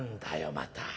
また。